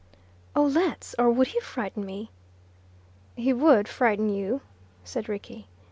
"Oh, let's. Or would he frighten me?" "He would frighten you," said Rickie.